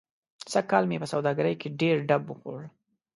سږ کال مې په سوادګرۍ کې ډېر ډب و خوړ.